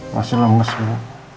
masih lemes bu